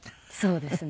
そうですね。